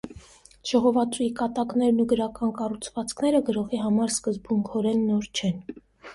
Ժողովածուի կատակներն ու գրական կառուցվածքները գրողի համար սկզբունքորեն նոր չեն։